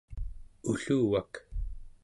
ulluvak